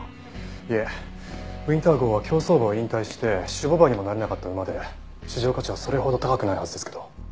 いえウィンター号は競走馬を引退して種牡馬にもなれなかった馬で市場価値はそれほど高くないはずですけど。